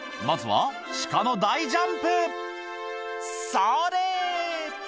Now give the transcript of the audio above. まずはシカの大ジャンプそれ！